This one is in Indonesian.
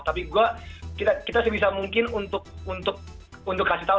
tapi juga kita sebisa mungkin untuk kasih tahu